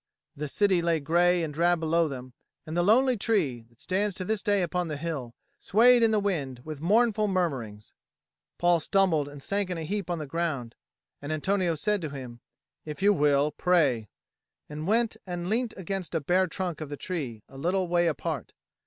The city lay grey and drab below them, and the lonely tree, that stands to this day upon the hill, swayed in the wind with mournful murmurings. Paul stumbled and sank in a heap on the ground. And Antonio said to him, "If you will, pray," and went and leant against the bare trunk of the tree, a little way apart.